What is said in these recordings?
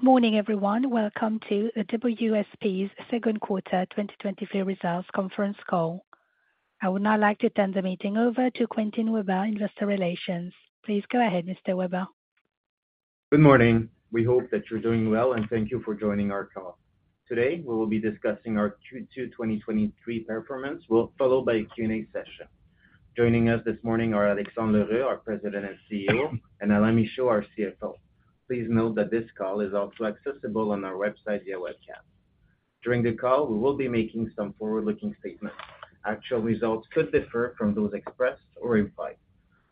Good morning, everyone. Welcome to WSP's Second Quarter 2023 Results Conference Call. I would now like to turn the meeting over to Quentin Weber, Investor Relations. Please go ahead, Mr. Weber. Good morning. We hope that you're doing well, and thank you for joining our call. Today, we will be discussing our Q2 2023 performance, followed by a Q&A session. Joining us this morning are Alexandre L'Heureux, our President and CEO, and Alain Michaud, our CFO. Please note that this call is also accessible on our website via webcast. During the call, we will be making some forward-looking statements. Actual results could differ from those expressed or implied.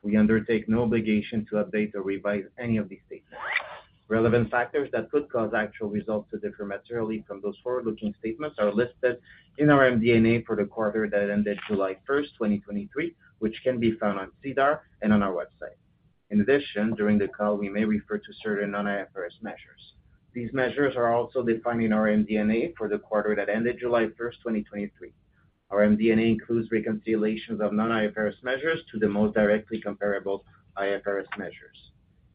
We undertake no obligation to update or revise any of these statements. Relevant factors that could cause actual results to differ materially from those forward-looking statements are listed in our MD&A for the quarter that ended 1 st July, 2023, which can be found on SEDAR and on our website. In addition, during the call, we may refer to certain non-IFRS measures. These measures are also defined in our MD&A for the quarter that ended 1st July, 2023. Our MD&A includes reconciliations of non-IFRS measures to the most directly comparable IFRS measures.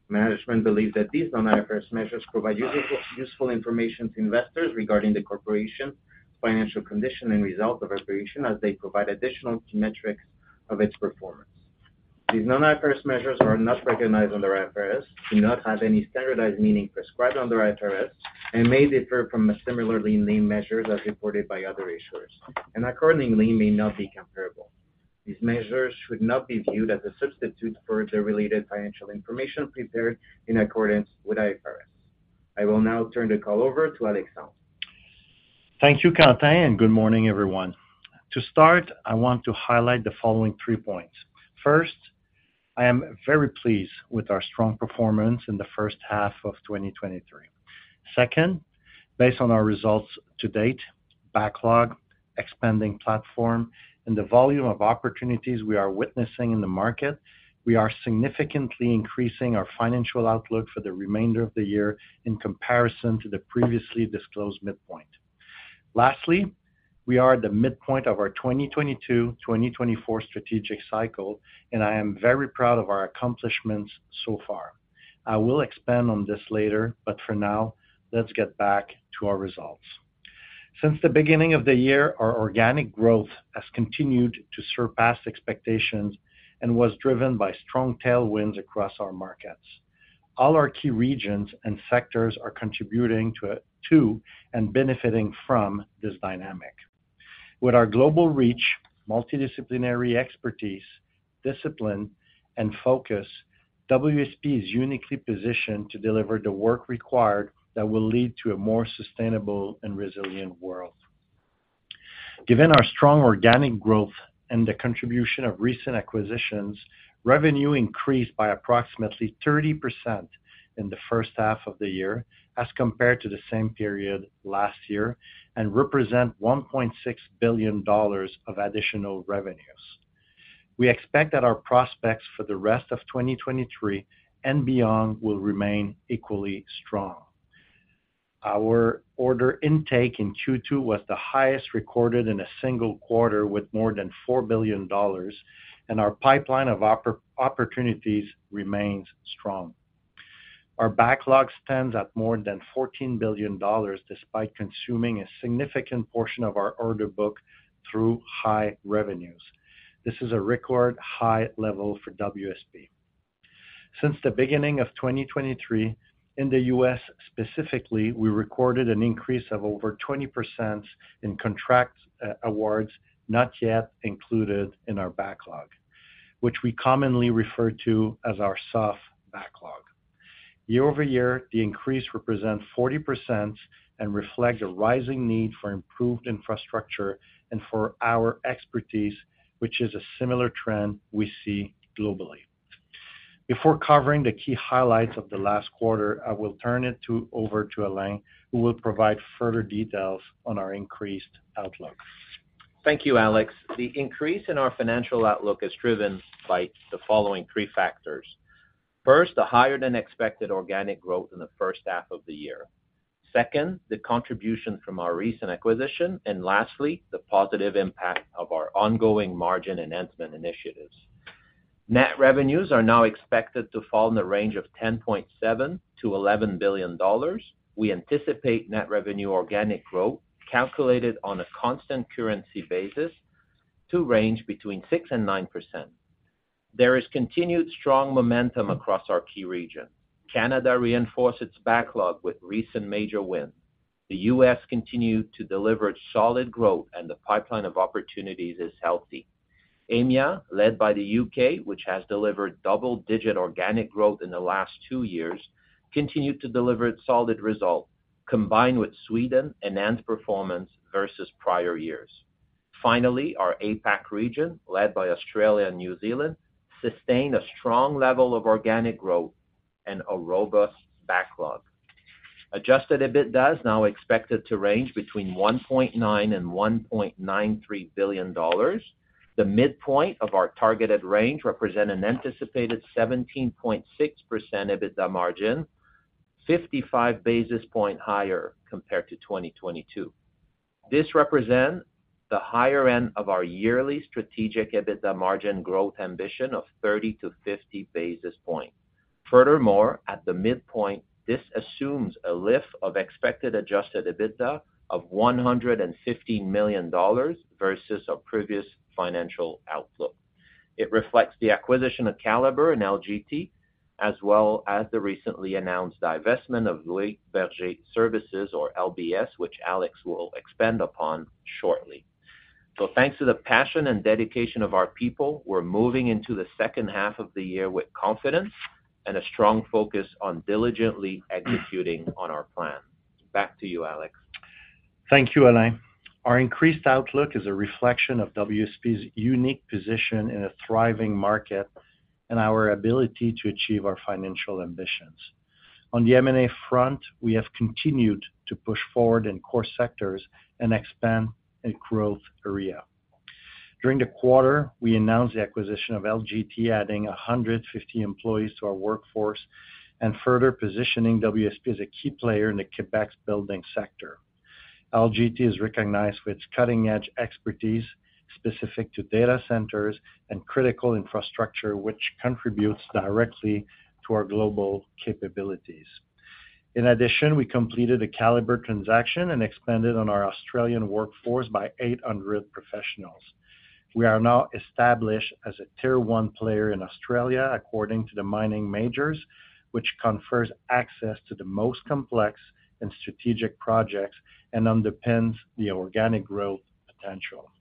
Management believes that these non-IFRS measures provide useful, useful information to investors regarding the corporation, financial condition and results of operation, as they provide additional key metrics of its performance. These non-IFRS measures are not recognized under IFRS, do not have any standardized meaning prescribed under IFRS, and may differ from a similarly named measures as reported by other issuers, and accordingly, may not be comparable. These measures should not be viewed as a substitute for the related financial information prepared in accordance with IFRS. I will now turn the call over to Alexandre. Thank you, Quentin. Good morning, everyone. To start, I want to highlight the following 3 points. First, I am very pleased with our strong performance in the first half of 2023. Second, based on our results to date, backlog, expanding platform, and the volume of opportunities we are witnessing in the market, we are significantly increasing our financial outlook for the remainder of the year in comparison to the previously disclosed midpoint. Lastly, we are at the midpoint of our 2022-2024 strategic cycle. I am very proud of our accomplishments so far. I will expand on this later, for now, let's get back to our results. Since the beginning of the year, our organic growth has continued to surpass expectations and was driven by strong tailwinds across our markets. All our key regions and sectors are contributing to and benefiting from this dynamic. With our global reach, multidisciplinary expertise, discipline, and focus, WSP is uniquely positioned to deliver the work required that will lead to a more sustainable and resilient world. Given our strong organic growth and the contribution of recent acquisitions, revenue increased by approximately 30% in the first half of the year as compared to the same period last year and represent $1.6 billion of additional revenues. We expect that our prospects for the rest of 2023 and beyond will remain equally strong. Our order intake in Q2 was the highest recorded in a single quarter, with more than $4 billion, and our pipeline of opportunities remains strong. Our backlog stands at more than $14 billion, despite consuming a significant portion of our order book through high revenues. This is a record high level for WSP. Since the beginning of 2023, in the U.S. specifically, we recorded an increase of over 20% in contract awards, not yet included in our backlog, which we commonly refer to as our soft backlog. YoY, the increase represent 40% and reflect a rising need for improved infrastructure and for our expertise, which is a similar trend we see globally. Before covering the key highlights of the last quarter, I will turn it to, over to Alain, who will provide further details on our increased outlook. Thank you, Alex. The increase in our financial outlook is driven by the following 3 factors. First, the higher than expected organic growth in the first half of the year. Second, the contribution from our recent acquisition. Lastly, the positive impact of our ongoing margin enhancement initiatives. Net revenues are now expected to fall in the range of $10.7 billion-$11 billion. We anticipate net revenue organic growth, calculated on a constant currency basis, to range between 6%-9%. There is continued strong momentum across our key region. Canada reinforced its backlog with recent major wins. The US continued to deliver solid growth and the pipeline of opportunities is healthy. EMEA, led by the UK, which has delivered double-digit organic growth in the last 2 years, continued to deliver solid results, combined with Sweden enhanced performance versus prior years. Finally, our APAC region, led by Australia and New Zealand, sustained a strong level of organic growth and a robust backlog. Adjusted EBITDA is now expected to range between 1.9 billion-1.93 billion dollars. The midpoint of our targeted range represent an anticipated 17.6% EBITDA margin, 55 basis points higher compared to 2022. This represent the higher end of our yearly strategic EBITDA margin growth ambition of 30-50 basis points. Furthermore, at the midpoint, this assumes a lift of expected Adjusted EBITDA of 150 million dollars versus our previous financial outlook. It reflects the acquisition of Calibre and LGT, as well as the recently announced divestment of Louis Berger Services or LBS, which Alex will expand upon shortly. Thanks to the passion and dedication of our people, we're moving into the second half of the year with confidence and a strong focus on diligently executing on our plan. Back to you, Alex. Thank you, Alain. Our increased outlook is a reflection of WSP's unique position in a thriving market and our ability to achieve our financial ambitions. On the M&A front, we have continued to push forward in core sectors and expand in growth area. During the quarter, we announced the acquisition of LGT, adding 150 employees to our workforce, and further positioning WSP as a key player in the Quebec's building sector. LGT is recognized for its cutting-edge expertise, specific to data centers and critical infrastructure, which contributes directly to our global capabilities. In addition, we completed a Calibre transaction and expanded on our Australian workforce by 800 professionals. We are now established as a tier one player in Australia, according to the mining majors, which confers access to the most complex and strategic projects and underpins the organic growth potential.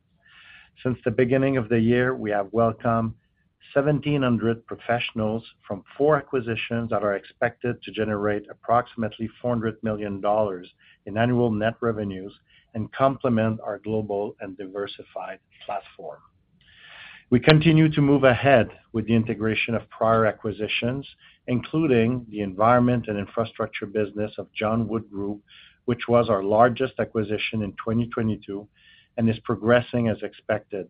Since the beginning of the year, we have welcomed 1,700 professionals from 4 acquisitions that are expected to generate approximately $400 million in annual net revenues and complement our global and diversified platform. We continue to move ahead with the integration of prior acquisitions, including the environment and infrastructure business of John Wood Group, which was our largest acquisition in 2022 and is progressing as expected.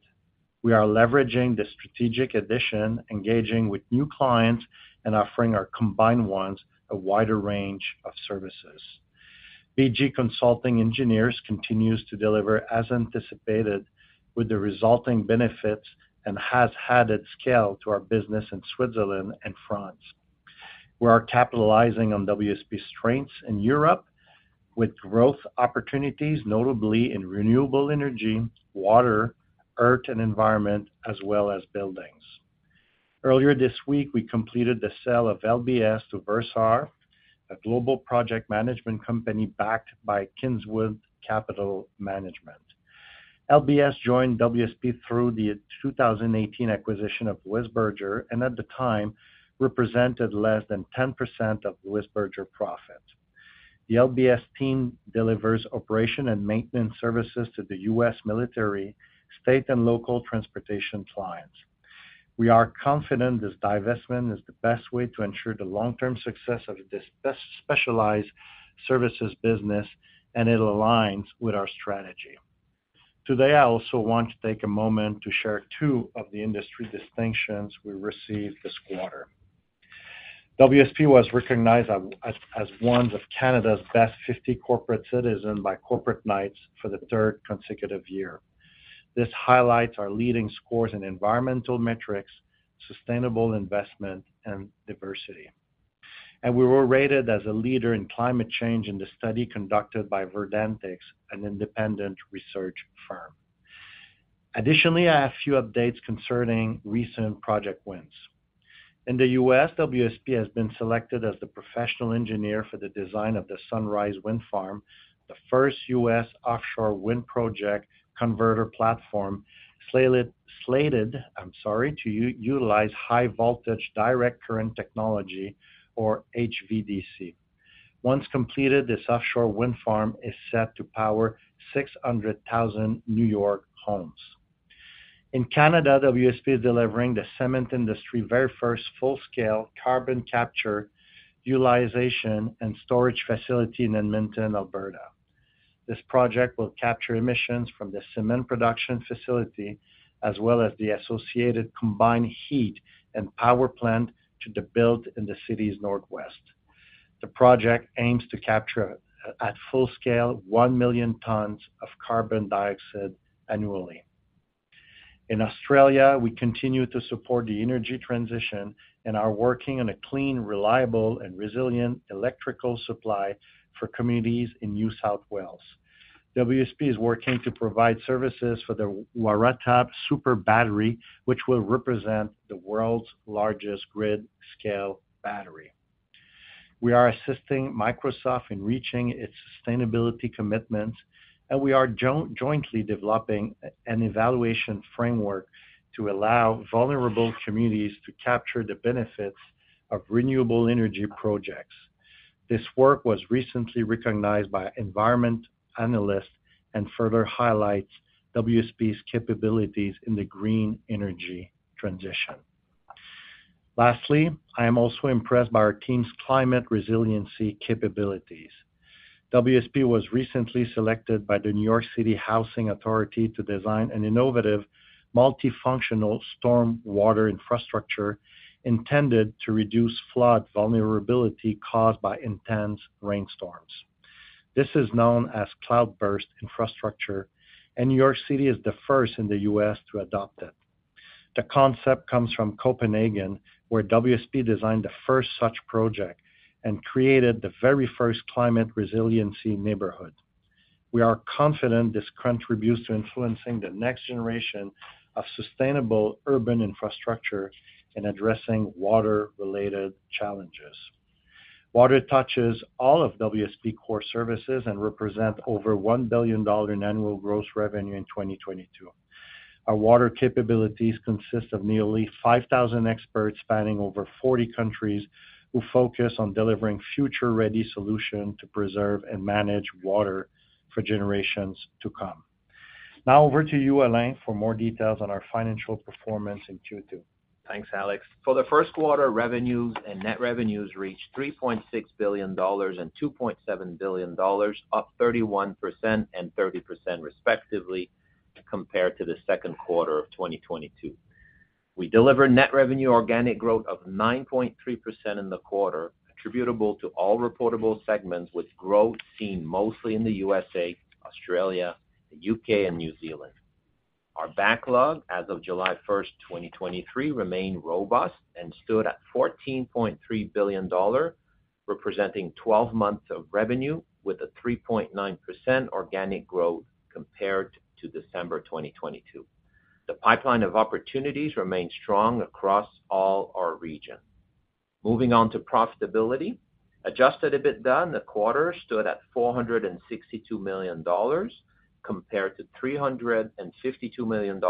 We are leveraging the strategic addition, engaging with new clients, and offering our combined ones a wider range of services. BG Consulting Engineers continues to deliver as anticipated with the resulting benefits and has added scale to our business in Switzerland and France. We are capitalizing on WSP's strengths in Europe with growth opportunities, notably in renewable energy, water, earth, and environment, as well as buildings. Earlier this week, we completed the sale of LBS to Versar, a global project management company backed by Kingswood Capital Management. LBS joined WSP through the 2018 acquisition of Louis Berger, and represented less than 10% of Louis Berger profit. The LBS team delivers operation and maintenance services to the U.S. military, state, and local transportation clients. We are confident this divestment is the best way to ensure the long-term success of this specialized services business. It aligns with our strategy. Today, I also want to take a moment to share 2 of the industry distinctions we received this quarter. WSP was recognized as one of Canada's Best 50 Corporate Citizen by Corporate Knights for the third consecutive year. This highlights our leading scores in environmental metrics, sustainable investment, and diversity, and we were rated as a leader in climate change in the study conducted by Verdantix, an independent research firm. Additionally, I have a few updates concerning recent project wins. In the U.S., WSP has been selected as the professional engineer for the design of the Sunrise Wind Farm, the first U.S. offshore wind project converter platform, slated to utilize high voltage direct current technology or HVDC. Once completed, this offshore wind farm is set to power 600,000 New York homes. In Canada, WSP is delivering the cement industry very first full-scale carbon capture, utilization, and storage facility in Edmonton, Alberta. This project will capture emissions from the cement production facility, as well as the associated combined heat and power plant to be built in the city's northwest. The project aims to capture, at full scale, 1 million tons of carbon dioxide annually. In Australia, we continue to support the energy transition and are working on a clean, reliable, and resilient electrical supply for communities in New South Wales. WSP is working to provide services for the Waratah Super Battery, which will represent the world's largest grid-scale battery. We are assisting Microsoft in reaching its sustainability commitments, and we are jointly developing an evaluation framework to allow vulnerable communities to capture the benefits of renewable energy projects. This work was recently recognized by Environment Analyst and further highlights WSP's capabilities in the green energy transition. Lastly, I am also impressed by our team's climate resiliency capabilities. WSP was recently selected by the New York City Housing Authority to design an innovative multifunctional storm water infrastructure intended to reduce flood vulnerability caused by intense rainstorms. This is known as cloudburst infrastructure, and New York City is the first in the U.S. to adopt it. The concept comes from Copenhagen, where WSP designed the first such project and created the very first climate resilient neighborhood. We are confident this contributes to influencing the next generation of sustainable urban infrastructure in addressing water-related challenges. Water touches all of WSP core services and represent over 1 billion dollar in annual gross revenue in 2022. Our water capabilities consist of nearly 5,000 experts, spanning over 40 countries, who focus on delivering future-ready solution to preserve and manage water for generations to come. Now over to you, Alain, for more details on our financial performance in Q2. Thanks, Alex. For the first quarter, revenues and net revenues reached $3.6 billion and $2.7 billion, up 31% and 30% respectively, compared to the second quarter of 2022. We delivered net revenue organic growth of 9.3% in the quarter, attributable to all reportable segments, with growth seen mostly in the USA, Australia, the UK, and New Zealand. Our backlog as of Ist July, 2023, remained robust and stood at $14.3 billion, representing 12 months of revenue with a 3.9% organic growth compared to December 2022. The pipeline of opportunities remains strong across all our region. Moving on to profitability. Adjusted EBITDA, the quarter stood at $462 million, compared to $352 million in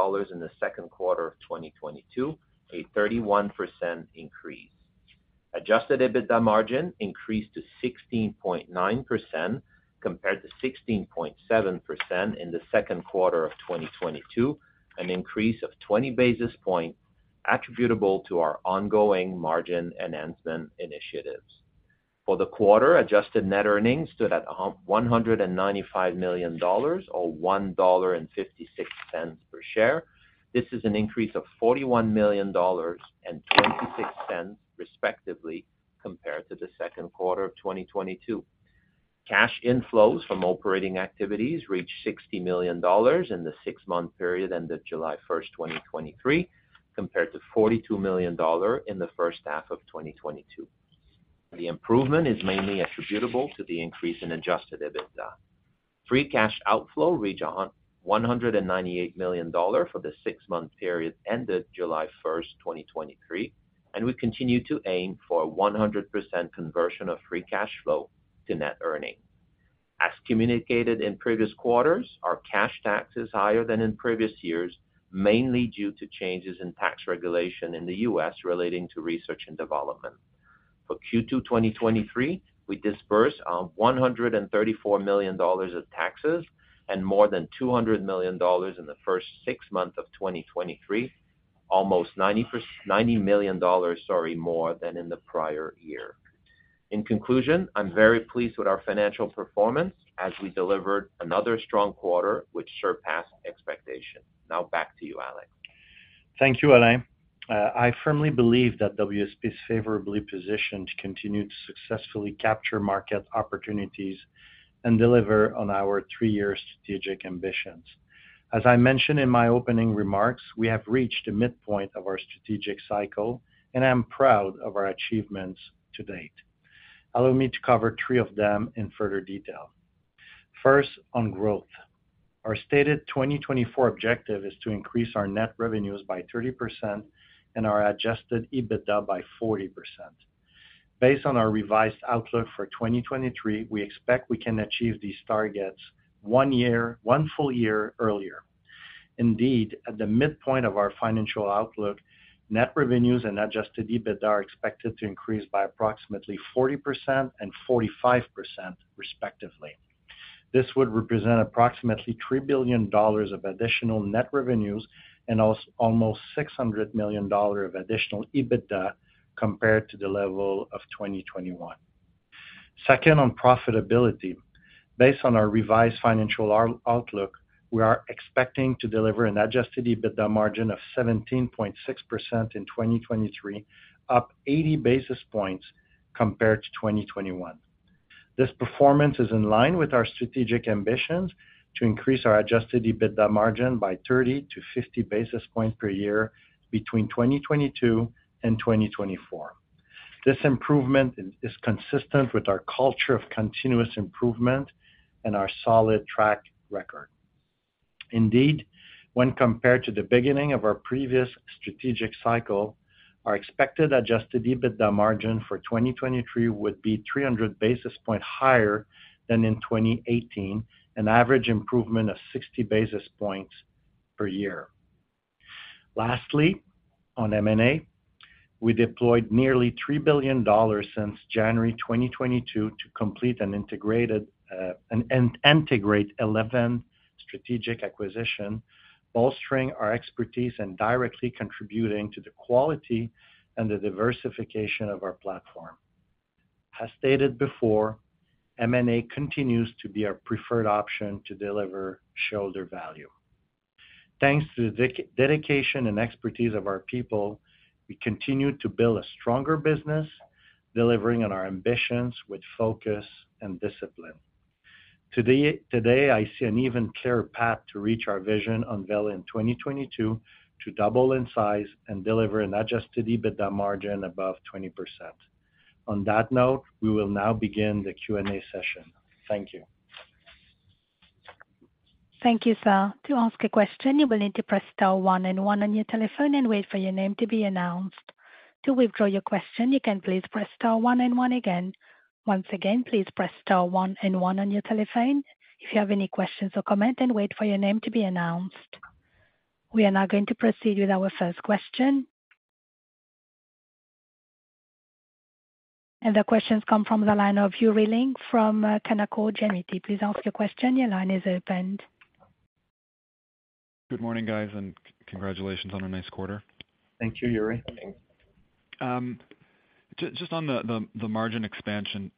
the second quarter of 2022, a 31% increase. Adjusted EBITDA margin increased to 16.9%, compared to 16.7% in the second quarter of 2022, an increase of 20 basis points attributable to our ongoing margin enhancement initiatives. For the quarter, Adjusted net earnings stood at $195 million or $1.56 per share. This is an increase of $41 million and $0.26, respectively, compared to the second quarter of 2022. Cash inflows from operating activities reached $60 million in the six-month period ended 1st July, 2023, compared to $42 million dollars in the first half of 2022. The improvement is mainly attributable to the increase in Adjusted EBITDA. Free cash outflow reached 198 million dollars for the 6-month period ended 1st July, 2023. We continue to aim for a 100% conversion of free cash flow to net earnings. As communicated in previous quarters, our cash tax is higher than in previous years, mainly due to changes in tax regulation in the US relating to research and development. For Q2 2023, we dispersed 134 million dollars of taxes and more than 200 million dollars in the first 6 months of 2023, almost 90 million dollars, sorry, more than in the prior year. In conclusion, I'm very pleased with our financial performance as we delivered another strong quarter, which surpassed expectations. Now, back to you, Alex. Thank you, Alain. I firmly believe that WSP is favorably positioned to continue to successfully capture market opportunities and deliver on our three-year strategic ambitions. As I mentioned in my opening remarks, we have reached a midpoint of our strategic cycle. I'm proud of our achievements to date. Allow me to cover three of them in further detail. First, on growth. Our stated 2024 objective is to increase our net revenues by 30% and our Adjusted EBITDA by 40%. Based on our revised outlook for 2023, we expect we can achieve these targets one full year earlier. Indeed, at the midpoint of our financial outlook, net revenues and Adjusted EBITDA are expected to increase by approximately 40% and 45%, respectively. This would represent approximately $3 billion of additional net revenues and almost $600 million dollar of additional EBITDA compared to the level of 2021. Second, on profitability. Based on our revised financial outlook, we are expecting to deliver an Adjusted EBITDA margin of 17.6% in 2023, up 80 basis points compared to 2021. This performance is in line with our strategic ambitions to increase our Adjusted EBITDA margin by 30-50 basis points per year between 2022 and 2024. This improvement is consistent with our culture of continuous improvement and our solid track record. Indeed, when compared to the beginning of our previous strategic cycle, our expected Adjusted EBITDA margin for 2023 would be 300 basis points higher than in 2018, an average improvement of 60 basis points per year. Lastly, on M&A, we deployed nearly 3 billion dollars since January 2022 to complete and integrated and integrate 11 strategic acquisitions, bolstering our expertise and directly contributing to the quality and the diversification of our platform. As stated before, M&A continues to be our preferred option to deliver shareholder value. Thanks to the dedication and expertise of our people, we continue to build a stronger business, delivering on our ambitions with focus and discipline. Today, I see an even clearer path to reach our vision unveiled in 2022, to double in size and deliver an Adjusted EBITDA margin above 20%. On that note, we will now begin the Q&A session. Thank you. Thank you, sir. To ask a question, you will need to press star one and one on your telephone and wait for your name to be announced. To withdraw your question, you can please press star one and one again. Once again, please press star one and one on your telephone if you have any questions or comment, and wait for your name to be announced. We are now going to proceed with our first question. The questions come from the line of Yuri Lynk from Canaccord Genuity. Please ask your question. Your line is open. Good morning, guys, and congratulations on a nice quarter. Thank you, Yuri. Just on the margin expansion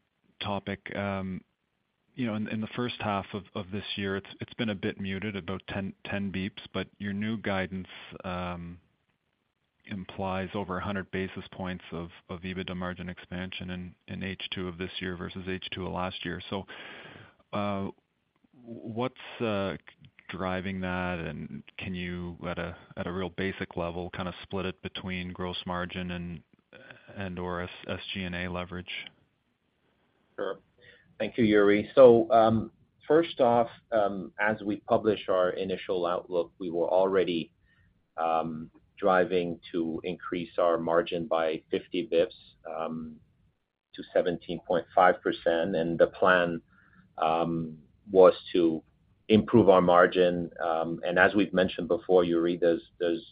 topic, you know, in the first half of this year, it's been a bit muted, about 10, 10 basis points, but your new guidance implies over 100 basis points of EBITDA margin expansion in H2 of this year versus H2 of last year. What's driving that? And can you, at a real basic level, kind of split it between gross margin and/or SG&A leverage? Sure. Thank you, Yuri. First off, as we publish our initial outlook, we were already driving to increase our margin by 50 basis points to 17.5%, and the plan was to improve our margin. As we've mentioned before, Yuri, there's, there's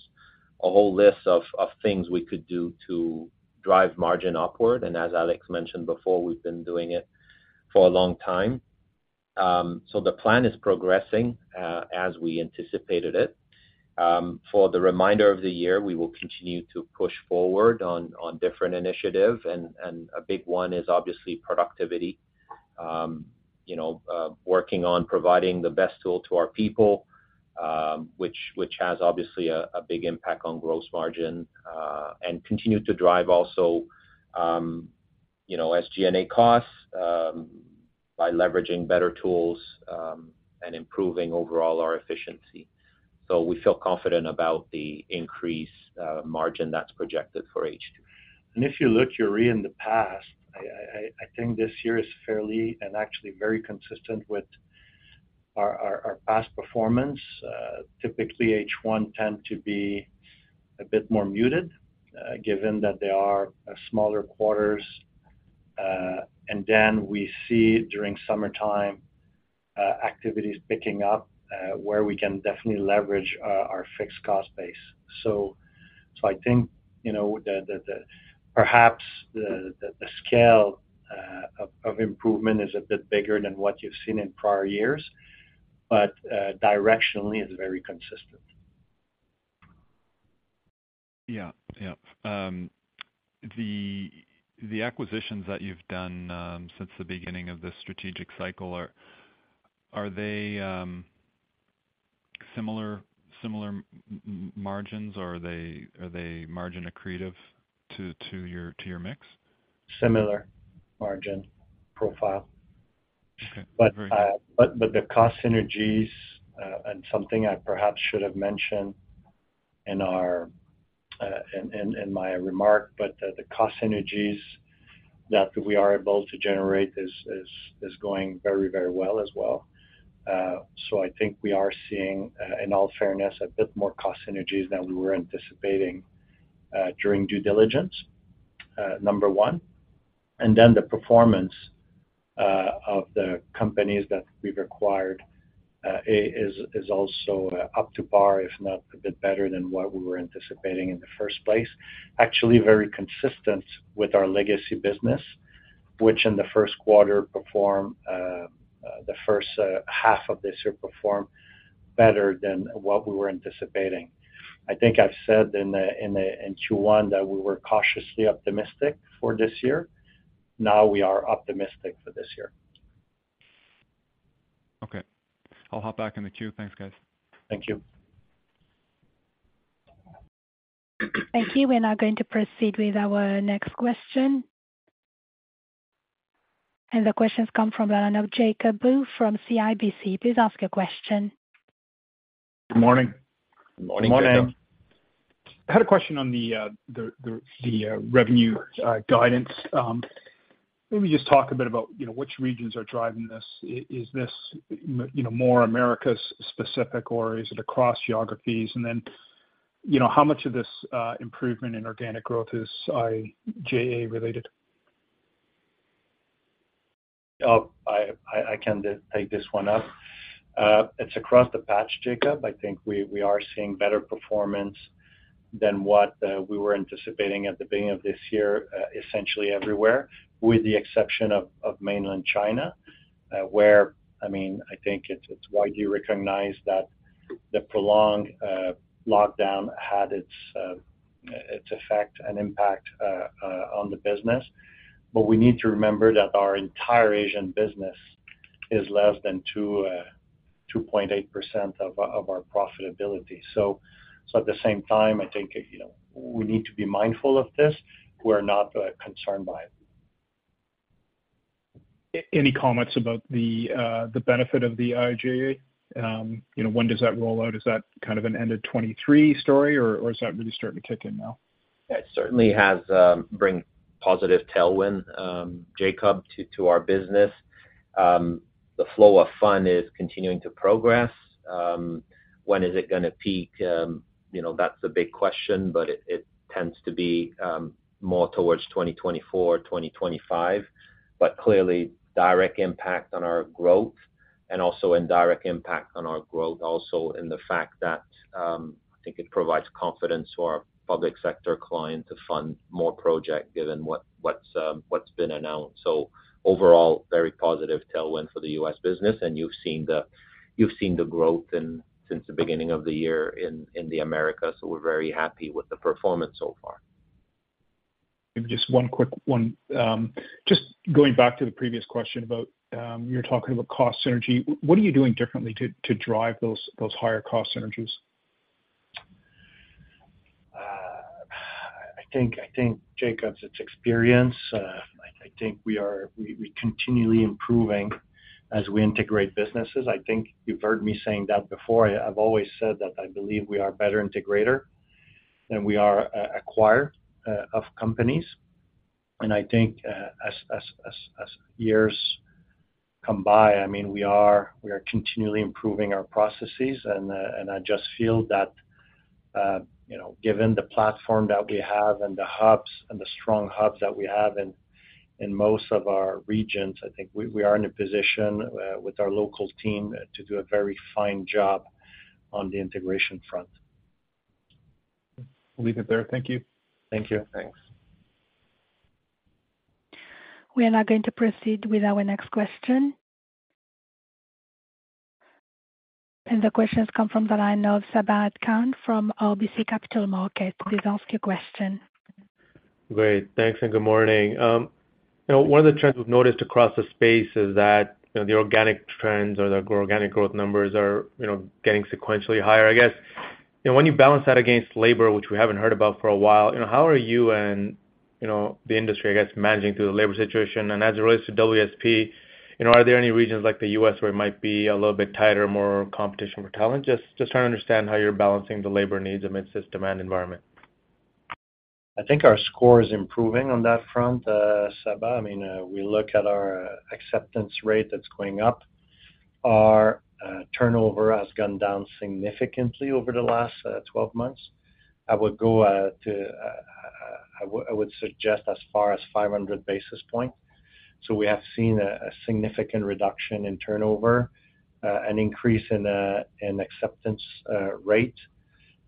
a whole list of, of things we could do to drive margin upward. As Alex mentioned before, we've been doing it for a long time. The plan is progressing as we anticipated it. For the remainder of the year, we will continue to push forward on, on different initiative, and a big one is obviously productivity. You know, working on providing the best tool to our people, which, which has obviously a, a big impact on gross margin, and continue to drive also, you know, SG&A costs by leveraging better tools, improving overall our efficiency. We feel confident about the increased margin that's projected for H2. If you look, Yuri, in the past, I think this year is fairly and actually very consistent with our, our, our past performance. Typically, H1 tend to be a bit more muted, given that they are smaller quarters. We see during summertime, activities picking up, where we can definitely leverage our, our fixed cost base. I think, you know, the, the, the perhaps the, the, the scale of improvement is a bit bigger than what you've seen in prior years, but directionally, it's very consistent. Yeah. Yeah. The, the acquisitions that you've done, since the beginning of this strategic cycle, are, are they, similar, similar margins, or are they, are they margin accretive to, to your, to your mix? Similar margin profile. Okay. The cost synergies, and something I perhaps should have mentioned in our, my remark, the cost synergies that we are able to generate is, is, is going very, very well as well. I think we are seeing, in all fairness, a bit more cost synergies than we were anticipating during due diligence, number one. The performance of the companies that we've acquired is also up to par, if not a bit better than what we were anticipating in the first place. Actually, very consistent with our legacy business, which in the first quarter performed, the first half of this year performed better than what we were anticipating. I think I've said in the, in the, in Q1 that we were cautiously optimistic for this year. Now, we are optimistic for this year. Okay. I'll hop back in the queue. Thanks, guys. Thank you. Thank you. We're now going to proceed with our next question. The questions come from the line of Jacob Bout from CIBC. Please ask your question. Good morning. Good morning, Jacob. I had a question on the the the the revenue guidance. Maybe just talk a bit about, you know, which regions are driving this. Is this, you know, more Americas specific, or is it across geographies? Then, you know, how much of this improvement in organic growth is IIJA related? I, I, I can take this one up. It's across the patch, Jacob. I think we, we are seeing better performance than what we were anticipating at the beginning of this year, essentially everywhere, with the exception of Mainland China, where, I mean, I think it's, it's widely recognized that the prolonged lockdown had its effect and impact on the business. We need to remember that our entire Asian business is less than 2.8% of our profitability. At the same time, I think, you know, we need to be mindful of this. We're not concerned by it. Any comments about the, the benefit of the IIJA? You know, when does that roll out? Is that kind of an end of 2023 story, or, or is that really starting to kick in now? It certainly has, bring positive tailwind, Jacob, to, to our business. The flow of fund is continuing to progress. When is it gonna peak? you know, that's the big question, but it, it tends to be, more towards 2024, 2025. Clearly, direct impact on our growth and also indirect impact on our growth also in the fact that I think it provides confidence to our public sector client to fund more project, given what's been announced. Overall, very positive tailwind for the U.S. business, and you've seen the growth since the beginning of the year in, in the Americas, so we're very happy with the performance so far. Just one quick one. Just going back to the previous question about, you're talking about cost synergy. What are you doing differently to, to drive those, those higher cost synergies? I think, I think, Jacob, it's experience. I think we are. We continually improving as we integrate businesses. I think you've heard me saying that before. I've always said that I believe we are better integrator than we are acquirer of companies. I think, as years come by, I mean, we are continually improving our processes, and I just feel that, you know, given the platform that we have and the hubs and the strong hubs that we have in, in most of our regions, I think we are in a position with our local team to do a very fine job on the integration front. We'll leave it there. Thank you. Thank you. Thanks. We are now going to proceed with our next question. The question has come from the line of Sabahat Khan from RBC Capital Markets. Please ask your question. Great. Thanks, and good morning. you know, one of the trends we've noticed across the space is that, you know, the organic trends or the organic growth numbers are, you know, getting sequentially higher. I guess, you know, when you balance that against labor, which we haven't heard about for a while, you know, how are you and, you know, the industry, I guess, managing through the labor situation? As it relates to WSP, you know, are there any regions like the U.S. where it might be a little bit tighter, more competition for talent? Just, just trying to understand how you're balancing the labor needs amidst this demand environment. I think our score is improving on that front, Sabahat. I mean, we look at our acceptance rate, that's going up. Our turnover has gone down significantly over the last 12 months. I would suggest as far as 500 basis points. We have seen a significant reduction in turnover, an increase in acceptance rate.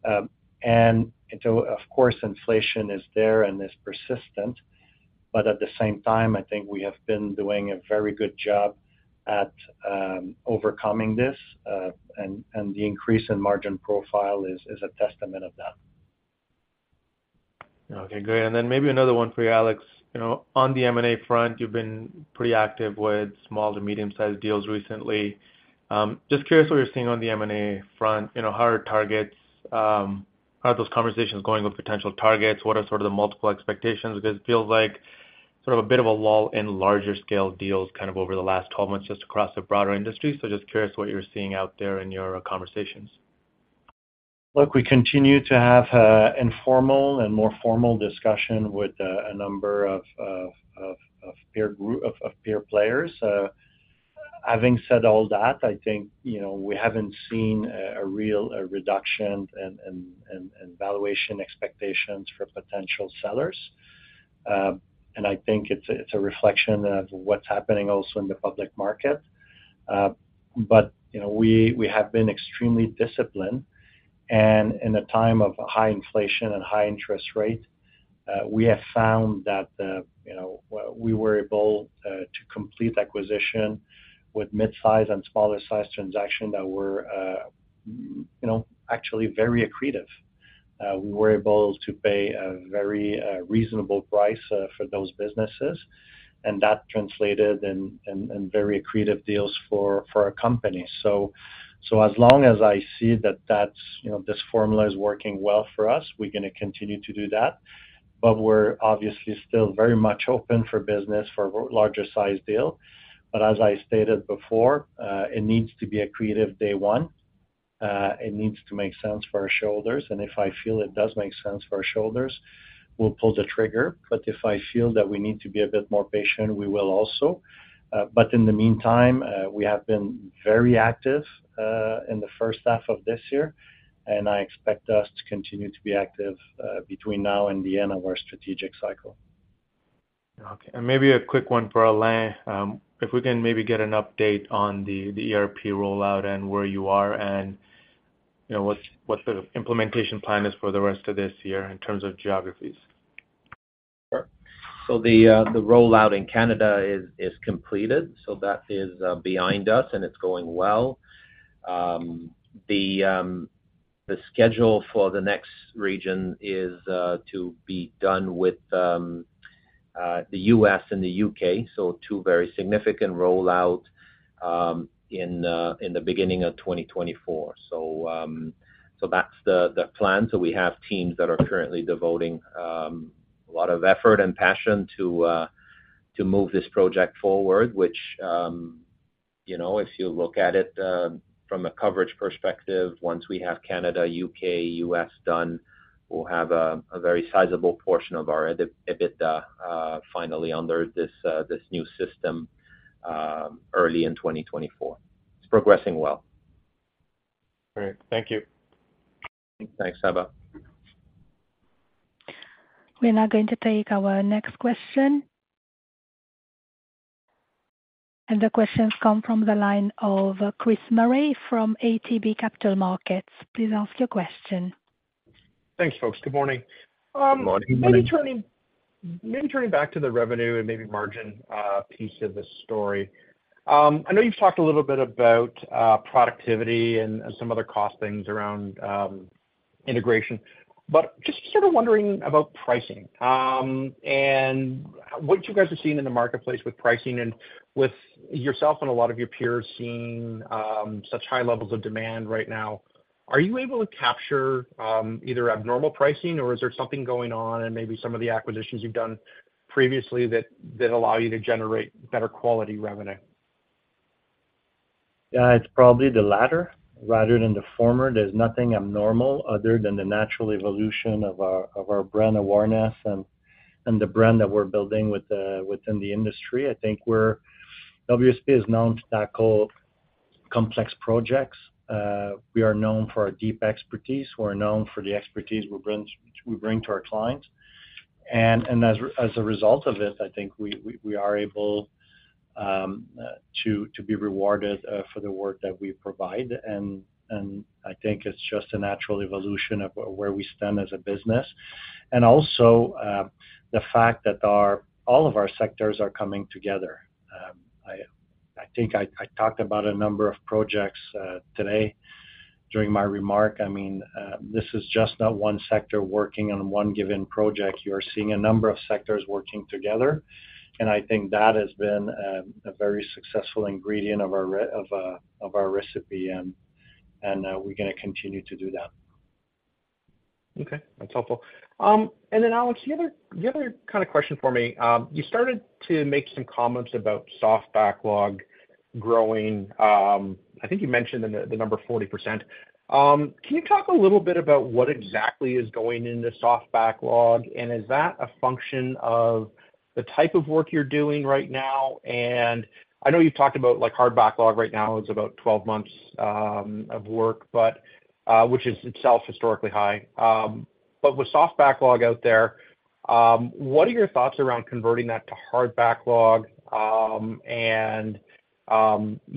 Of course, inflation is there and is persistent, but at the same time, I think we have been doing a very good job at overcoming this, and the increase in margin profile is a testament of that. Okay, great. Then maybe another one for you, Alex. You know, on the M&A front, you've been pretty active with small to medium-sized deals recently. just curious what you're seeing on the M&A front. You know, how are targets... how are those conversations going with potential targets? What are sort of the multiple expectations? Because it feels like sort of a bit of a lull in larger scale deals, kind of over the last 12 months, just across the broader industry. Just curious what you're seeing out there in your conversations. Look, we continue to have a informal and more formal discussion with a number of peer players. Having said all that, I think, you know, we haven't seen a real reduction and valuation expectations for potential sellers. I think it's a, it's a reflection of what's happening also in the public market. You know, we, we have been extremely disciplined, and in a time of high inflation and high interest rate, we have found that, you know, well, we were able to complete the acquisition with mid-size and smaller-sized transaction that were, you know, actually very accretive. We were able to pay a very reasonable price for those businesses, and that translated in very accretive deals for our company. As long as I see that that's, you know, this formula is working well for us, we're gonna continue to do that. We're obviously still very much open for business for larger-sized deal. As I stated before, it needs to be accretive day one, it needs to make sense for our shareholders, and if I feel it does make sense for our shareholders, we'll pull the trigger. If I feel that we need to be a bit more patient, we will also. In the meantime, we have been very active in the first half of this year, and I expect us to continue to be active between now and the end of our strategic cycle. Okay. Maybe a quick one for Alain. If we can maybe get an update on the ERP rollout and where you are and, you know, what's the implementation plan is for the rest of this year in terms of geographies? Sure. The rollout in Canada is, is completed, that is behind us, and it's going well. The schedule for the next region is to be done with the U.S. and the UK, so two very significant rollout in the beginning of 2024. That's the plan. We have teams that are currently devoting a lot of effort and passion to move this project forward, which, you know, if you look at it from a coverage perspective, once we have Canada, UK, U.S. done, we'll have a very sizable portion of our EBITDA finally under this new system early in 2024. It's progressing well. Great. Thank you. Thanks, Sabahat. We're now going to take our next question. The question's come from the line of Chris Murray from ATB Capital Markets. Please ask your question. Thanks, folks. Good morning. Good morning. Good morning. Maybe turning, maybe turning back to the revenue and maybe margin piece of the story. I know you've talked a little bit about productivity and some other cost things around integration, but just sort of wondering about pricing, and what you guys are seeing in the marketplace with pricing and with yourself and a lot of your peers seeing such high levels of demand right now, are you able to capture either abnormal pricing, or is there something going on in maybe some of the acquisitions you've done previously, that allow you to generate better quality revenue? Yeah, it's probably the latter rather than the former. There's nothing abnormal other than the natural evolution of our, of our brand awareness and, and the brand that we're building with within the industry. I think we're. WSP is known to tackle complex projects. We are known for our deep expertise. We're known for the expertise we bring, we bring to our clients. As a result of it, I think we, we, we are able to be rewarded for the work that we provide. I think it's just a natural evolution of where we stand as a business. Also, the fact that our, all of our sectors are coming together. I, I think I, I talked about a number of projects today during my remark. I mean, this is just not one sector working on one given project. You are seeing a number of sectors working together, and I think that has been a very successful ingredient of our of our recipe, and, we're gonna continue to do that. Okay. That's helpful. Alex, the other, the other kind of question for me, you started to make some comments about soft backlog growing. I think you mentioned the, the number 40%. Can you talk a little bit about what exactly is going into soft backlog, and is that a function of the type of work you're doing right now? I know you've talked about, like, hard backlog right now is about 12 months of work, but which is itself historically high. With soft backlog out there, what are your thoughts around converting that to hard backlog? You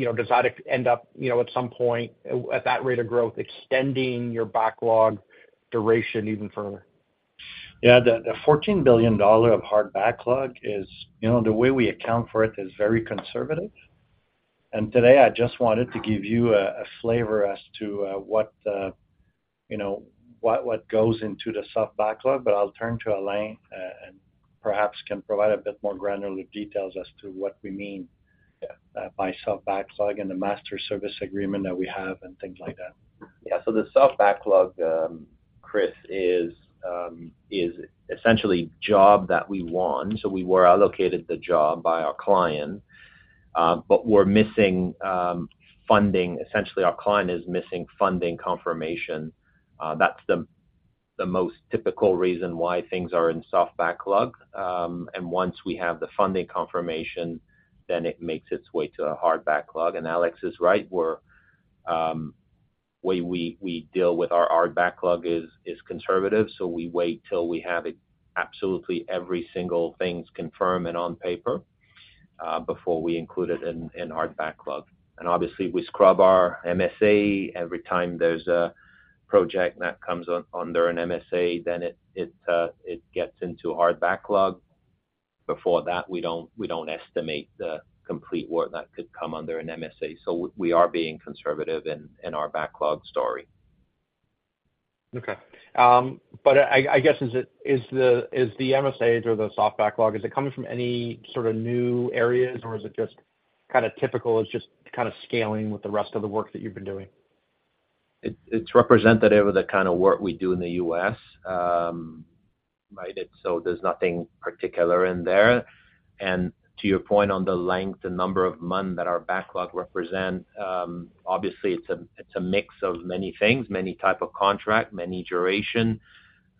know, does that end up, you know, at some point, at that rate of growth, extending your backlog duration even further? Yeah, the 14 billion dollar of hard backlog is. You know, the way we account for it is very conservative, and today I just wanted to give you a flavor as to what the, you know, what, what goes into the soft backlog. I'll turn to Alain, and perhaps can provide a bit more granular details as to what we mean by soft backlog and the master service agreement that we have and things like that. Yeah. The soft backlog, Chris, is essentially job that we won. We were allocated the job by our client, but we're missing funding. Essentially, our client is missing funding confirmation. That's the, the most typical reason why things are in soft backlog. Once we have the funding confirmation, then it makes its way to a hard backlog. Alex is right, we're, we, we, we deal with our hard backlog is, is conservative, so we wait till we have it absolutely every single things confirmed and on paper, before we include it in, in hard backlog. Obviously, we scrub our MSA every time there's a project that comes on, under an MSA, then it, it gets into hard backlog. Before that, we don't, we don't estimate the complete work that could come under an MSA. We are being conservative in our backlog story. Okay. I, I guess is it the MSAs or the soft backlog, is it coming from any sort of new areas, or is it just kind of typical, it's just kind of scaling with the rest of the work that you've been doing? It's representative of the kind of work we do in the U.S. Right, so there's nothing particular in there. To your point on the length and number of month that our backlog represent, obviously it's a mix of many things, many type of contract, many duration.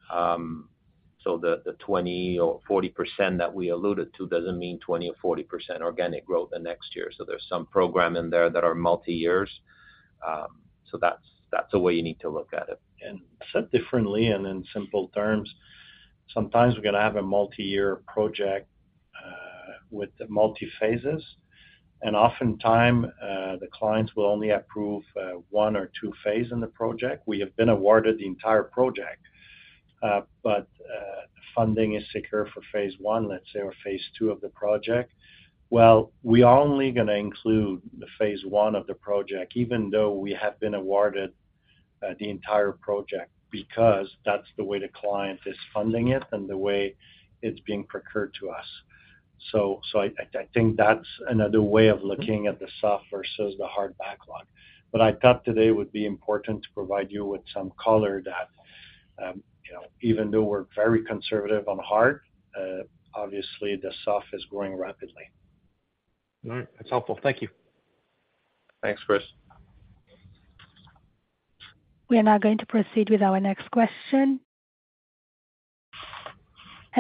The 20% or 40% that we alluded to doesn't mean 20% or 40% organic growth the next year. There's some program in there that are multi-years. That's the way you need to look at it. Said differently and in simple terms, sometimes we're gonna have a multi-year project, with the multi-phases, and oftentimes, the clients will only approve one or two phase in the project. We have been awarded the entire project, but funding is secure for phase I, let's say, or phase II of the project. Well, we are only gonna include the phase I of the project, even though we have been awarded the entire project, because that's the way the client is funding it and the way it's being procured to us. I think that's another way of looking at the soft versus the hard backlog. I thought today would be important to provide you with some color that, you know, even though we're very conservative on hard, obviously, the soft is growing rapidly. All right. That's helpful. Thank you. Thanks, Chris. We are now going to proceed with our next question.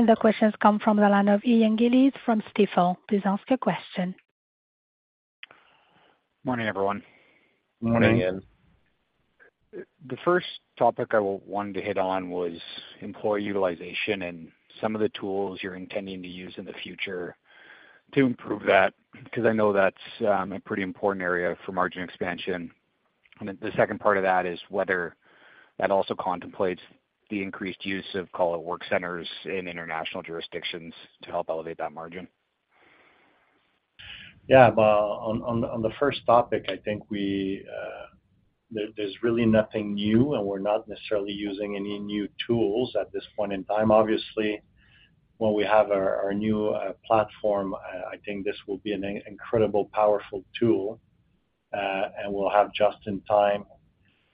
The question has come from the line of Ian Gillies from Stifel. Please ask your question. Morning, everyone. Morning, Ian. The first topic I wanted to hit on was employee utilization and some of the tools you're intending to use in the future to improve that, 'cause I know that's a pretty important area for margin expansion. The second part of that is whether that also contemplates the increased use of, call it work centers in international jurisdictions to help elevate that margin. Yeah, well, on, on, on the first topic, I think we... there, there's really nothing new, and we're not necessarily using any new tools at this point in time. Obviously, when we have our, our new platform, I think this will be an incredible, powerful tool, and we'll have just in time,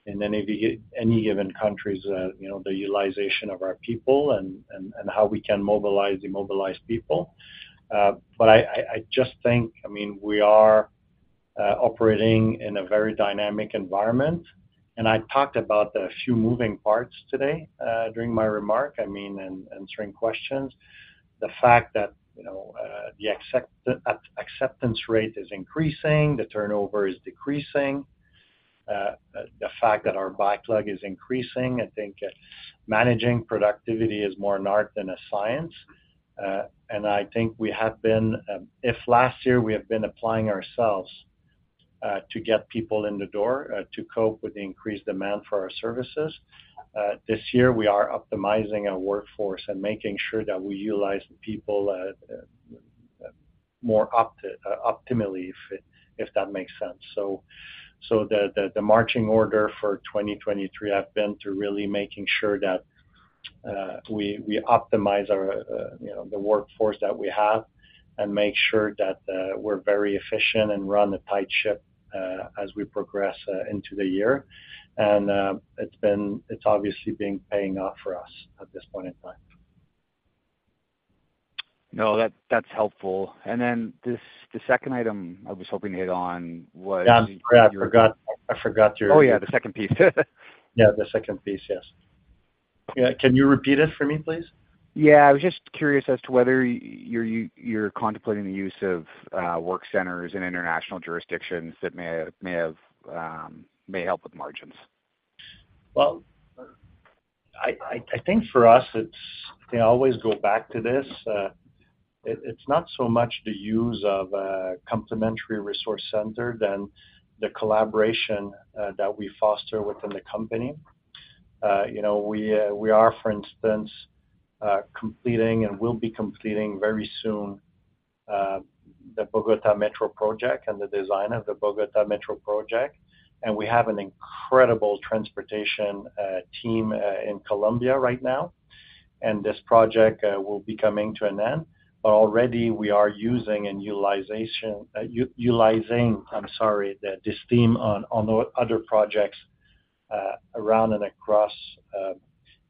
in any given countries, you know, the utilization of our people and, and, and how we can mobilize, immobilize people. But I, I, I just think, I mean, we are operating in a very dynamic environment, and I talked about the few moving parts today, during my remark, I mean, in answering questions. The fact that, you know, the acceptance rate is increasing, the turnover is decreasing, the, the fact that our backlog is increasing, I think, managing productivity is more an art than a science. I think we have been. If last year we have been applying ourselves to get people in the door, to cope with the increased demand for our services, this year, we are optimizing our workforce and making sure that we utilize the people optimally, if, if that makes sense. The, the, the marching order for 2023 have been to really making sure that we, we optimize our, you know, the workforce that we have and make sure that we're very efficient and run a tight ship as we progress into the year. It's obviously been paying off for us at this point in time. No, that, that's helpful. Then this, the second item I was hoping to hit on was- Yeah, I'm sorry. I forgot, I forgot your- Oh, yeah, the second piece. Yeah, the second piece, yes. Yeah, can you repeat it for me, please? Yeah. I was just curious as to whether you're you're contemplating the use of work centers in international jurisdictions that may have, may have, may help with margins. Well, I, I, I think for us, it's... I always go back to this. It's not so much the use of a complementary resource center than the collaboration that we foster within the company. You know, we, we are, for instance, completing, and will be completing very soon, the Bogotá Metro project and the design of the Bogotá Metro project. We have an incredible transportation team in Colombia right now, and this project will be coming to an end. Already we are using and utilization, utilizing, I'm sorry, this team on the other projects, around and across,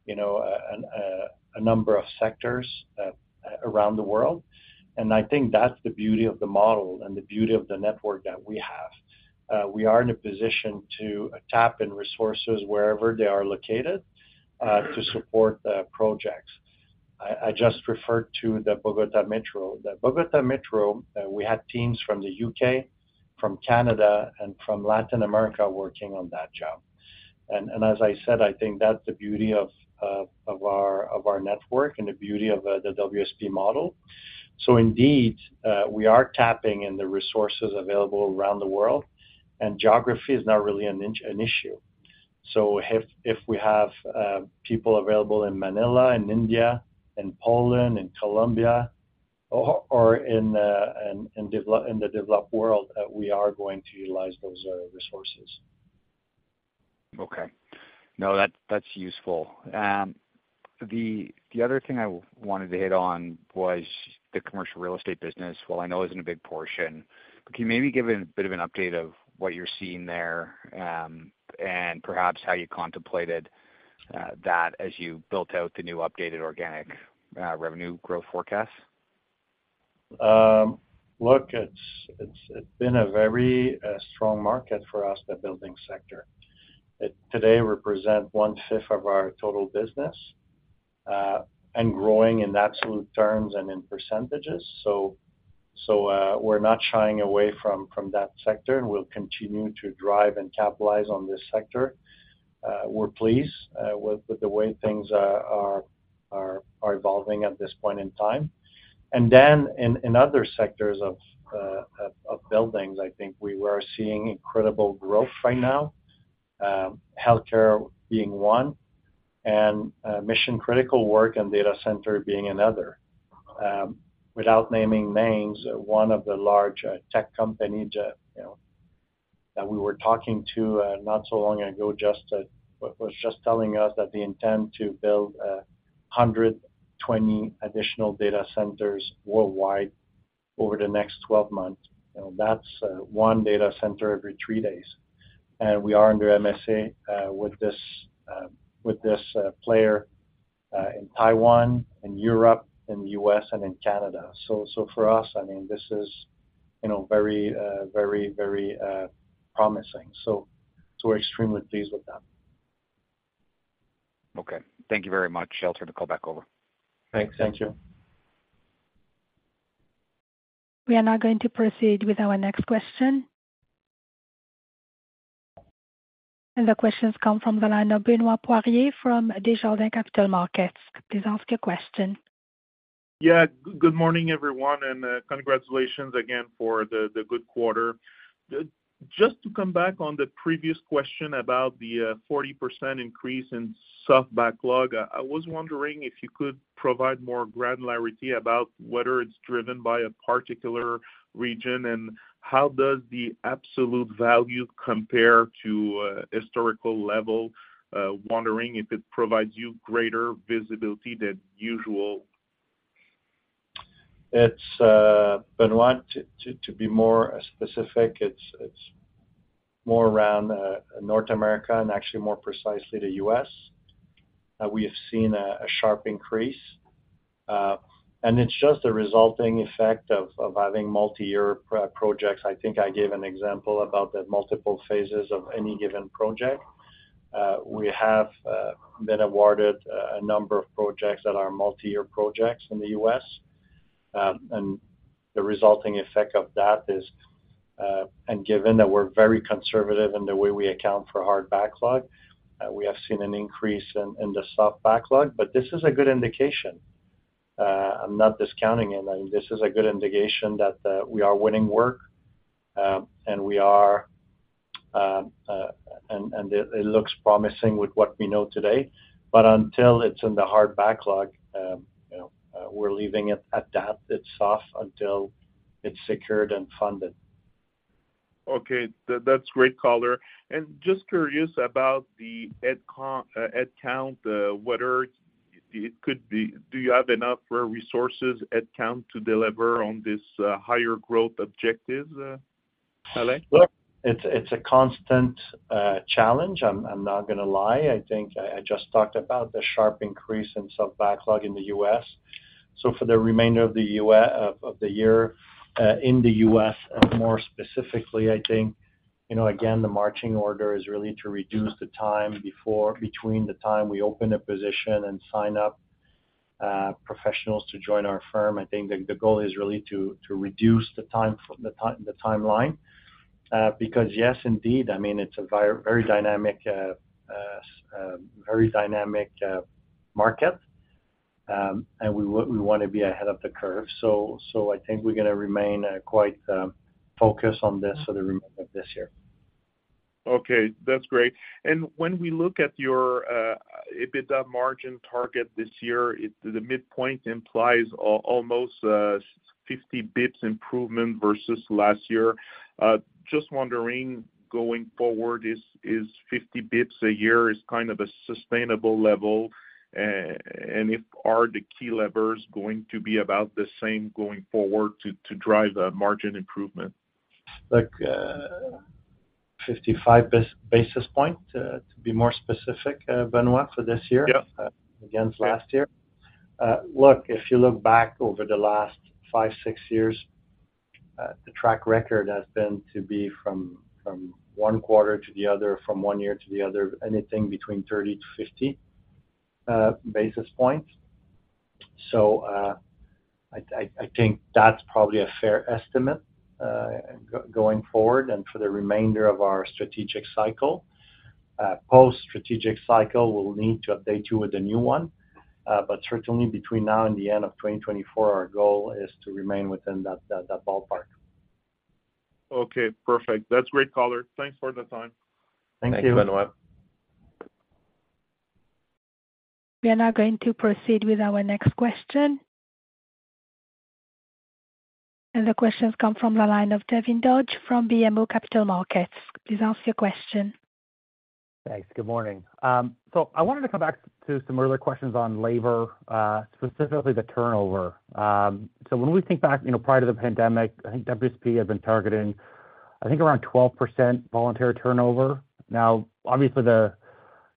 you know, a, an, a number of sectors around the world. I think that's the beauty of the model and the beauty of the network that we have. We are in a position to tap in resources wherever they are located to support the projects. I just referred to the Bogotá Metro. The Bogotá Metro, we had teams from the UK, from Canada, and from Latin America working on that job. As I said, I think that's the beauty of our of our network and the beauty of the WSP model. Indeed, we are tapping in the resources available around the world, and geography is not really an issue. If we have people available in Manila, in India, in Poland, in Colombia, or in the developed world, we are going to utilize those resources. Okay. No, that's, that's useful. The other thing I wanted to hit on was the commercial real estate business. While I know it isn't a big portion, can you maybe give a bit of an update of what you're seeing there and perhaps how you contemplated that as you built out the new updated organic revenue growth forecast? Look, it's, it's, it's been a very strong market for us, the building sector. It today represent 1/5 of our total business, and growing in absolute terms and in percentages, we're not shying away from, from that sector, and we'll continue to drive and capitalize on this sector. We're pleased with, with the way things are, are, are evolving at this point in time. In, in other sectors of, of, of buildings, I think we are seeing incredible growth right now. healthcare being one, and mission-critical work and data center being another. Without naming names, one of the large tech companies that, you know, that we were talking to not so long ago, just was just telling us that they intend to build 120 additional data centers worldwide over the next 12 months. You know, that's 1 data center every 3 days. We are under MSA with this player in Taiwan, in Europe, in the U.S., and in Canada. For us, I mean, this is, you know, very, very promising. We're extremely pleased with that. Okay. Thank you very much. I'll turn the call back over. Thanks. Thank you. We are now going to proceed with our next question. The question comes from the line of Benoît Poirier, from Desjardins Capital Markets. Please ask your question. Yeah, good morning, everyone, and congratulations again for the, the good quarter. Just to come back on the previous question about the 40% increase in soft backlog, I was wondering if you could provide more granularity about whether it's driven by a particular region, and how does the absolute value compare to historical level? Wondering if it provides you greater visibility than usual? It's Benoît, to, to, to be more specific, it's, it's more around North America and actually more precisely the U.S., we have seen a sharp increase. And it's just a resulting effect of having multiyear projects. I think I gave an example about the multiple phases of any given project. We have been awarded a number of projects that are multiyear projects in the U.S., and the resulting effect of that is, and given that we're very conservative in the way we account for hard backlog, we have seen an increase in the soft backlog. But this is a good indication. I'm not discounting it. I mean, this is a good indication that we are winning work, and we are... It looks promising with what we know today, but until it's in the hard backlog, you know, we're leaving it at that. It's soft until it's secured and funded. Okay, that, that's great color. Just curious about the head count, head count, whether it could be... Do you have enough resources, head count, to deliver on this, higher growth objective, Alain? Well, it's, it's a constant challenge. I'm, I'm not gonna lie. I think I, I just talked about the sharp increase in soft backlog in the US. For the remainder of, of the year, in the US and more specifically, I think, you know, again, the marching order is really to reduce the time between the time we open a position and sign up professionals to join our firm. I think the, the goal is really to, to reduce the timeline, because yes, indeed, I mean, it's a very dynamic, very dynamic market, and we wanna be ahead of the curve. So I think we're gonna remain quite focused on this for the remainder of this year. Okay, that's great. When we look at your EBITDA margin target this year, the midpoint implies almost 50 basis points improvement versus last year. Just wondering, going forward, is 50 basis points a year is kind of a sustainable level, and if are the key levers going to be about the same going forward to drive the margin improvement? Like, 55 basis point, to be more specific, Benoît, for this year- Yeah... against last year. Look, if you look back over the last five, six years, the track record has been to be from, from one quarter to the other, from one year to the other, anything between 30 to 50 basis points. I, I, I think that's probably a fair estimate going forward and for the remainder of our strategic cycle. Post-strategic cycle, we'll need to update you with the new one, but certainly between now and the end of 2024, our goal is to remain within that, that, that ballpark. Okay, perfect. That's great color. Thanks for the time. Thank you. Thanks, Benoît. We are now going to proceed with our next question. The question comes from the line of Devin Dodge, from BMO Capital Markets. Please ask your question. Thanks. Good morning. I wanted to come back to some earlier questions on labor, specifically the turnover. When we think back, you know, prior to the pandemic, I think WSP had been targeting, I think, around 12% voluntary turnover. Now, obviously,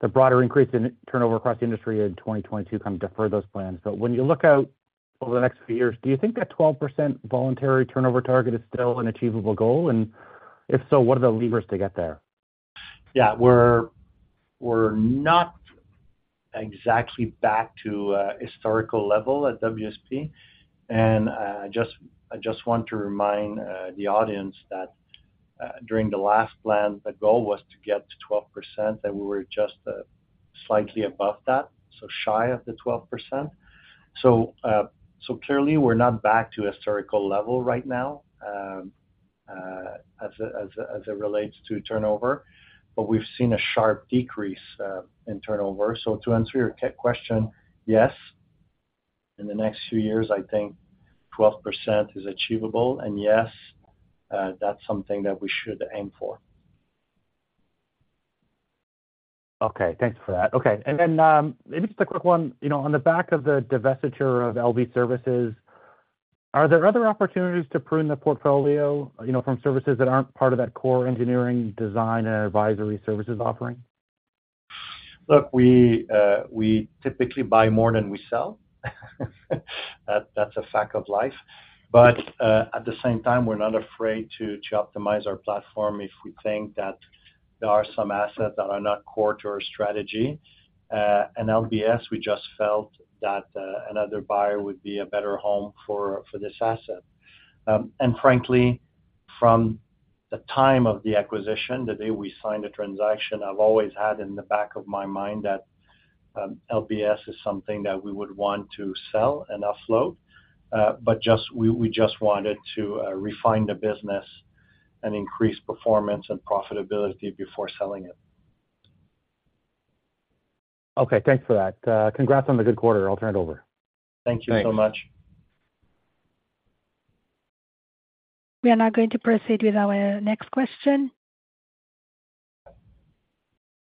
the broader increase in turnover across the industry in 2022 kind of deferred those plans. When you look out over the next few years, do you think that 12% voluntary turnover target is still an achievable goal? If so, what are the levers to get there? Yeah, we're, we're not exactly back to historical level at WSP. I just, I just want to remind the audience that during the last plan, the goal was to get to 12%, and we were just slightly above that, so shy of the 12%. Clearly we're not back to historical level right now, as, as, as it relates to turnover, but we've seen a sharp decrease in turnover. To answer your question, yes, in the next few years, I think 12% is achievable, and, yes, that's something that we should aim for. Okay, thanks for that. Okay, maybe just a quick one. You know, on the back of the divestiture of LB services, are there other opportunities to prune the portfolio, you know, from services that aren't part of that core engineering design and advisory services offering? Look, we, we typically buy more than we sell. That, that's a fact of life. At the same time, we're not afraid to, to optimize our platform if we think that there are some assets that are not core to our strategy. LBS, we just felt that, another buyer would be a better home for, for this asset. Frankly, from the time of the acquisition, the day we signed the transaction, I've always had in the back of my mind that, LBS is something that we would want to sell and offload, but just we, we just wanted to, refine the business and increase performance and profitability before selling it. Okay, thanks for that. Congrats on the good quarter. I'll turn it over. Thank you so much. We are now going to proceed with our next question.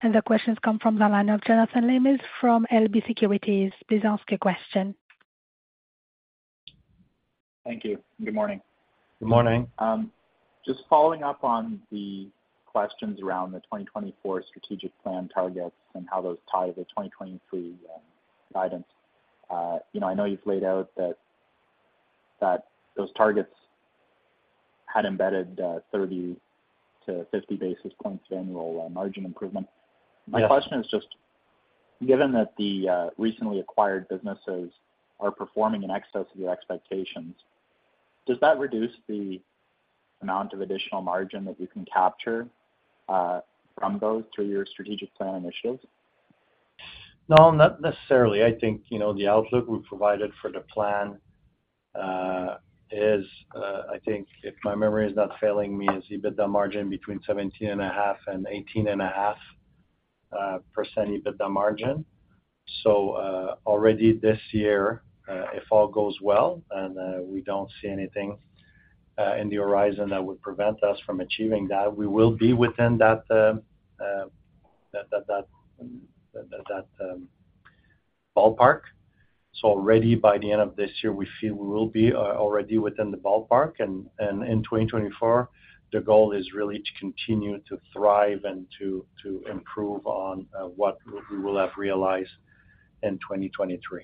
The question's come from the line of Jonathan Lamers from LB Securities. Please ask your question. Thank you. Good morning. Good morning. Just following up on the questions around the 2024 strategic plan targets and how those tie to the 2023 guidance. You know, I know you've laid out that, that those targets had embedded 30-50 basis points annual margin improvement. Yes. My question is just, given that the recently acquired businesses are performing in excess of your expectations, does that reduce the amount of additional margin that you can capture from those through your strategic plan initiatives? No, not necessarily. I think, you know, the outlook we provided for the plan is, I think if my memory is not failing me, is EBITDA margin between 17.5 and 18.5% EBITDA margin. Already this year, if all goes well, and we don't see anything in the horizon that would prevent us from achieving that, we will be within that, that, that, that, that ballpark. Already by the end of this year, we feel we will be already within the ballpark. In 2024, the goal is really to continue to thrive and to, to improve on what we will have realized in 2023.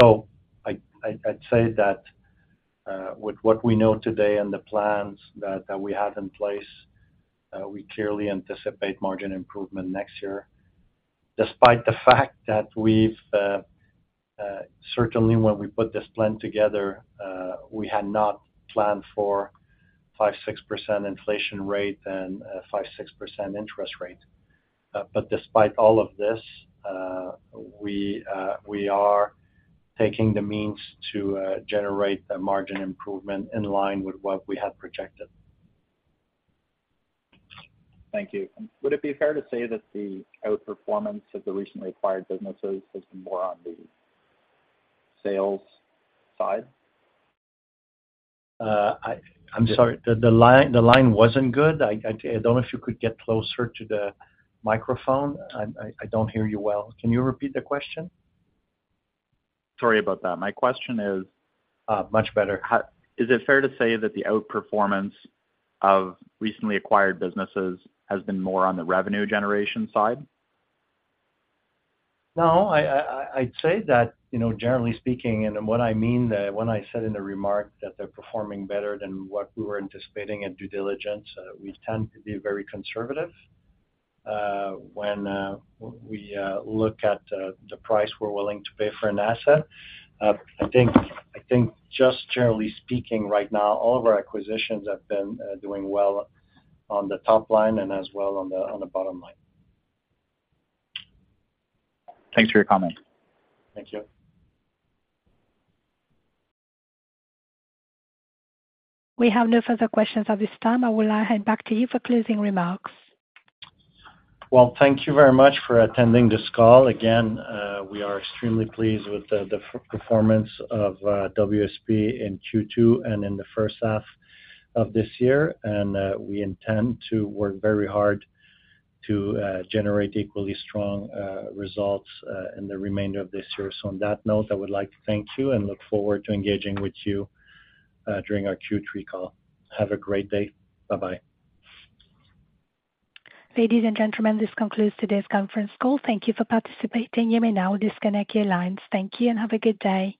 I, I, I'd say that with what we know today and the plans that we have in place, we clearly anticipate margin improvement next year, despite the fact that we've certainly when we put this plan together, we had not planned for 5-6% inflation rate and 5-6% interest rate. Despite all of this, we are taking the means to generate the margin improvement in line with what we had projected. Thank you. Would it be fair to say that the outperformance of the recently acquired businesses has been more on the sales side? I'm sorry, the line, the line wasn't good. I don't know if you could get closer to the microphone. I don't hear you well. Can you repeat the question? Sorry about that. My question is much better. Is it fair to say that the outperformance of recently acquired businesses has been more on the revenue generation side? No, I, I, I, I'd say that, you know, generally speaking, and what I mean when I said in the remark that they're performing better than what we were anticipating in due diligence, we tend to be very conservative when we look at the price we're willing to pay for an asset. I think, I think just generally speaking, right now, all of our acquisitions have been doing well on the top line and as well on the, on the bottom line. Thanks for your comment. Thank you. We have no further questions at this time. I will hand back to you for closing remarks. Well, thank you very much for attending this call. Again, we are extremely pleased with the, the performance of WSP in Q2 and in the first half of this year. We intend to work very hard to generate equally strong results in the remainder of this year. On that note, I would like to thank you and look forward to engaging with you during our Q3 call. Have a great day. Bye-bye. Ladies and gentlemen, this concludes today's conference call. Thank you for participating. You may now disconnect your lines. Thank you, and have a good day.